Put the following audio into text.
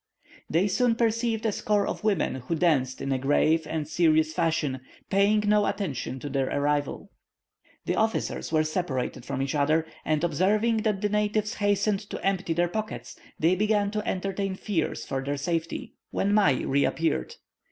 They soon perceived a score of women, who danced in a grave and serious fashion, paying no attention to their arrival. The officers were separated from each other, and observing that the natives hastened to empty their pockets, they began to entertain fears for their safety, when Mai reappeared.